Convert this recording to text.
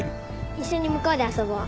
一緒に向こうで遊ぼう。